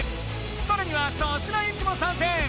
さらには粗品エンジもさんせん！